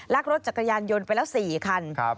รถจักรยานยนต์ไปแล้ว๔คัน